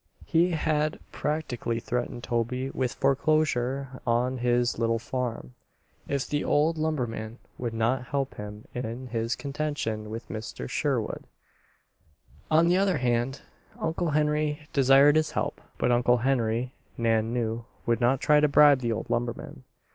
He had practically threatened Toby with foreclosure on his little farm if the old lumberman would not help him in his contention with Mr. Sherwood. On the other hand, Uncle Henry desired his help; but Uncle Henry, Nan knew, would not try to bribe the old lumberman.